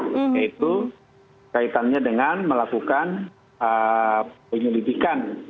yaitu kaitannya dengan melakukan penyelidikan